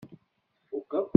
Tfukkeḍ-tt?